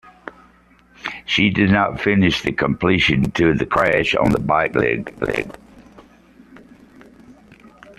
She did not finish the competition due to a crash on the bike leg.